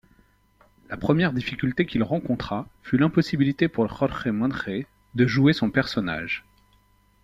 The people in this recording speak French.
La première difficulté qu'il rencontra fut l'impossibilité pour Jorge Monje de jouer son personnage.